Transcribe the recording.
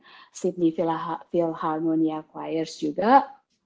ada beberapa orang yang udah pernah ikutan sydney philharmonia choirs juga